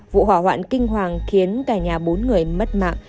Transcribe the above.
vụ hỏa hoạn kinh hoàng khiến cả nhà bốn người mất mạng